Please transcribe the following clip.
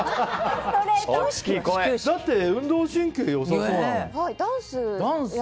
だって運動神経良さそうなのに。